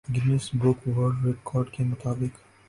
Guinness book world record کے مطابق